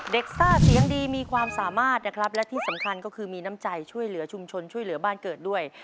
ซ่าเสียงดีมีความสามารถนะครับและที่สำคัญก็คือมีน้ำใจช่วยเหลือชุมชนช่วยเหลือบ้านเกิดด้วย